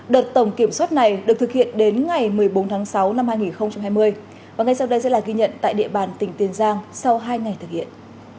đợt tổng kiểm soát này được thực hiện đến ngày một mươi bốn tháng sáu năm hai nghìn hai mươi và ngay sau đây sẽ là ghi nhận tại địa bàn tỉnh tiền giang sau hai ngày thực hiện